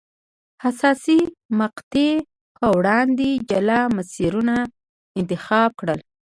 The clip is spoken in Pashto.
حساسې مقطعې په وړاندې جلا مسیرونه انتخاب کړل.